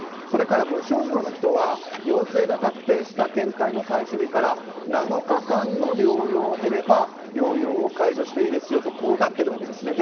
それから、無症状の人は陽性が確定した検体の採取日から７日間の療養を経れば療養を解除していいですとなっているわけです。